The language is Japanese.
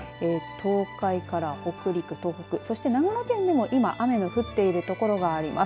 東海から北陸、東北そして長野県でも今、雨が降っている所があります。